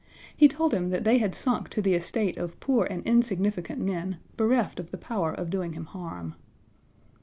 He told him that they had sunk to the estate of poor and insignificant men, bereft of the power of doing him harm.